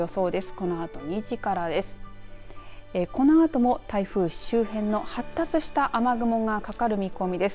このあとも台風周辺の発達した雨雲が、かかる見込みです。